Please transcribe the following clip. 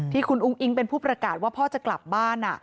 ที่คุณอุ้งอิ๊งเป็นผู้ประกาศว่าพ่อจะกลับบ้าน